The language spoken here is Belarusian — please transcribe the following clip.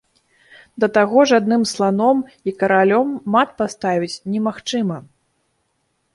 Да таго ж адным сланом і каралём мат паставіць немагчыма.